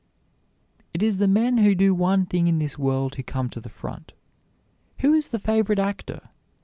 It is the men who do one thing in this world who come to the front. Who is the favorite actor?